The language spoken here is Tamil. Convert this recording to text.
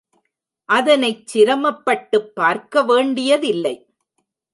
அதனைச் சிரமப்பட்டுப் பார்க்க வேண்டியதில்லை.